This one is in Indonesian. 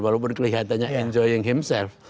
walaupun kelihatannya enjoying himself